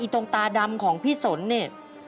ตรงตาดำของพี่สนเนี่ย